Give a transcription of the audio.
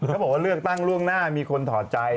เขาบอกว่าเลือกตั้งล่วงหน้ามีคนถอดใจ